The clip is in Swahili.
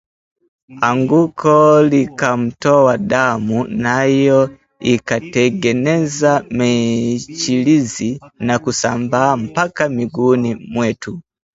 Anguko likamtoa damu, nayo ikatengeneza michirizi na kusambaa mpaka miguuni mwetu